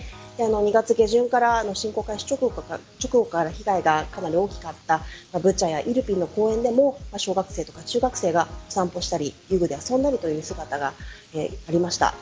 ２月下旬から侵攻開始直後から被害がかなり大きかったブチャやイルピンの公園でも小学生や中学生が散歩したり遊具で遊んだりという姿がありました。